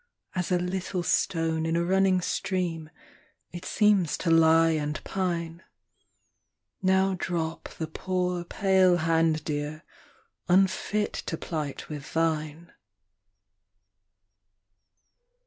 As a little stone in a running stream, it seems to lie and pine. Now drop the poor pale hand, Dear, unfit to plight with thine.